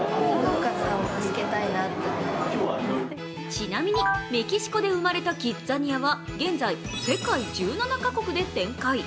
ちなみに、メキシコで生まれたキッザニアは現在、世界１７か国で展開。